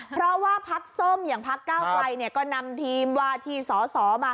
เพราะว่าพักส้มอย่างพักก้าวไกลก็นำทีมวาทีสสมา